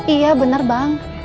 iya bener bang